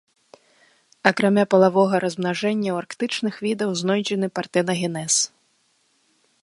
Акрамя палавога размнажэння ў арктычных відаў знойдзены партэнагенез.